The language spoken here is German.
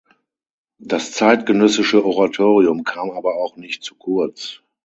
Das zeitgenössische Oratorium kam aber auch nicht zu kurz.